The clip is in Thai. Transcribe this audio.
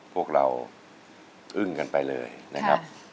พวกเราอึ้งกันไปเลยนะครับ